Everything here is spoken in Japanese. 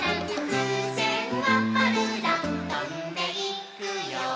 「ふうせんはパルーラ」「とんでいくよ」